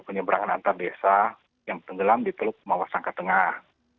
penyeberangan antar desa yang tenggelam di teluk mawasangka tengah